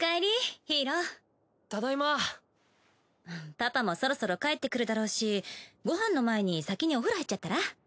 パパもそろそろ帰ってくるだろうしご飯の前に先にお風呂入っちゃったら？